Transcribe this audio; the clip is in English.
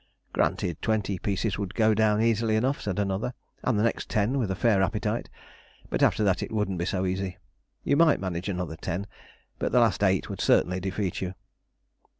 "Granted; twenty pieces would go down easily enough," said another, "and the next ten with a fair appetite. But after that it wouldn't be so easy. You might manage another ten, but the last eight would certainly defeat you."